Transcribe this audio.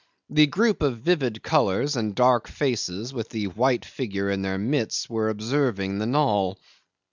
The group of vivid colours and dark faces with the white figure in their midst were observing the knoll.